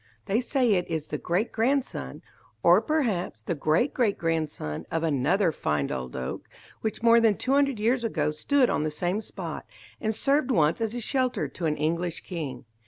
They say it is the great grandson, or perhaps the great great grandson of another fine old oak, which more than two hundred years ago stood on the same spot, and served once as a shelter to an English king.